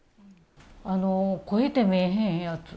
あの肥えて見えへんやつ。